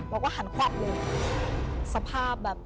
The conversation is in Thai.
บอกว่าหันควับเลยสภาพแบบ